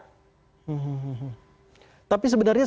hmm tapi sebenarnya